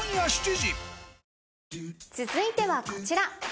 続いてはこちら。